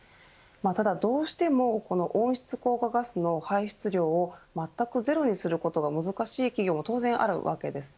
ただ、どうしてもこの温室効果ガスの排出量をまったくゼロにすることが難しい企業も当然あるわけです。